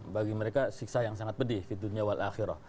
bagi mereka siksa yang sangat pedih